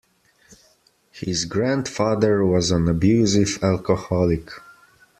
His grandfather was an abusive alcoholic.